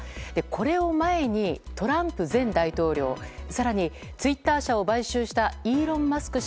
これを前にトランプ前大統領更に、ツイッター社を買収したイーロン・マスク